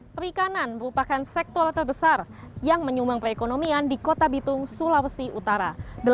perikanan merupakan sektor terbesar yang menyumbang perekonomian di kota bitung sulawesi utara